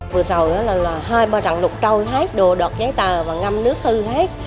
vừa rồi là hai ba rạng lục trâu hết đồ đọt giấy tờ và ngâm nước hư hết